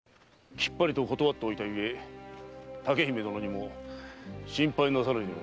きっぱりと断っておいたゆえ竹姫殿にも“心配なされるな”と。